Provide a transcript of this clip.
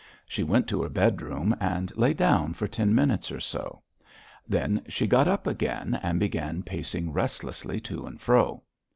She went to her bedroom, and lay down for ten minutes or so; then she got up again and began pacing restlessly to and fro.